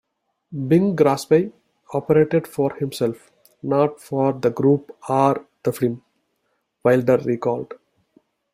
"Bing Crosby operated for himself, not for the group or the film," Wilder recalled.